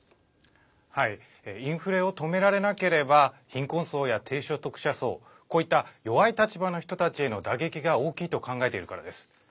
インフレを止められなければ貧困層や低所得者層こういった弱い立場の人たちへの打撃が大きいと考えているからです。